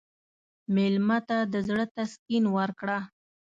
مېلمه ته د زړه تسکین ورکړه.